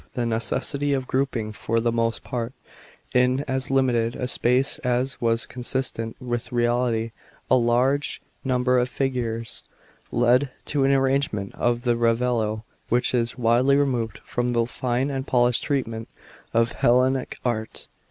" The necessity of grouping, for the most part, in as limited a space as was consistent with reality, a large number of figures, led to an arrangement of the relievo, which is widely removed from the fine and polished treatment of Hellenic art.